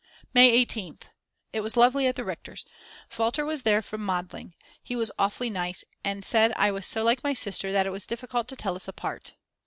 May 18th. It was lovely at the Richters; Walter was there from Modling, he was awfully nice, and said I was so like my sister that it was difficult to tell us apart.